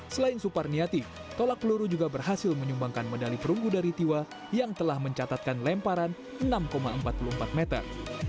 selain suparniati tolak peluru juga berhasil menyumbangkan medali perunggu dari tiwa yang telah mencatatkan lemparan enam empat puluh empat meter